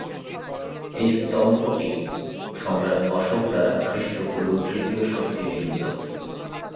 এই স্তম্ভটি সম্রাট অশোক দ্বারা খ্রিষ্টপূর্ব তৃতীয় শতকে নির্মিত।